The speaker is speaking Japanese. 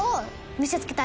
見せ付けた？